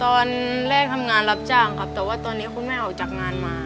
ตอนแรกทำงานรับจ้างครับแต่ว่าตอนนี้คุณแม่ออกจากงานมา